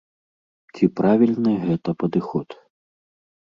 Ці правільны гэта падыход?